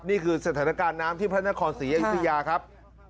นี่คือสถานการณ์น้ำที่พระนครศรีอยุธยาครับ